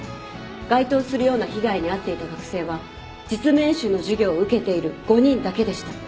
該当するような被害に遭っていた学生は実務演習の授業を受けている５人だけでした。